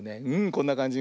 こんなかんじ。